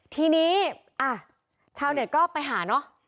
ทีนี้ชาวเน็ตก็ไปหาเนอะ